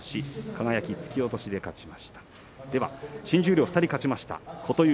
新十両が２人勝ちました。